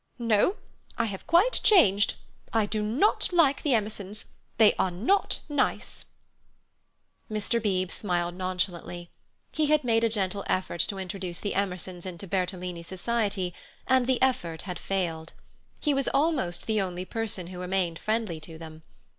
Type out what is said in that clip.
No, I have quite changed. I do not like the Emersons. They are not nice." Mr. Beebe smiled nonchalantly. He had made a gentle effort to introduce the Emersons into Bertolini society, and the effort had failed. He was almost the only person who remained friendly to them.